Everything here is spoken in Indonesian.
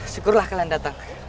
syukurlah kalian datang